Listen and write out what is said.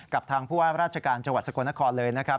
กับทางผู้ว่าราชการจังหวัดสกลนครเลยนะครับ